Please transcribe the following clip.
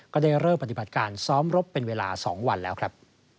ก็ได้เริ่มปฏิบัติการซ้อมรบเป็นเวลา๒วันแล้วครับ